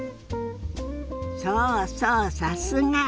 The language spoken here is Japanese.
そうそうさすが！